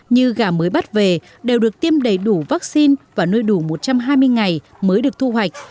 như gà mới bắt về đều được tiêm đầy đủ vaccine và nuôi đủ một trăm hai mươi ngày mới được thu hoạch